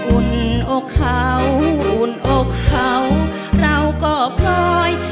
อุ่นอกเขาอุ่นอกเขาเราก็พลอย